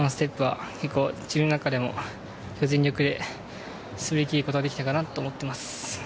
最後のステップは自分の中でも全力で滑り切ることができたかなと思います。